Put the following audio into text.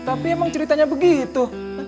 tapi emang ceritanya begitu